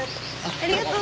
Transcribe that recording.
ありがとう。